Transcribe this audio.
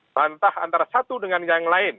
bantah antara satu dengan yang lain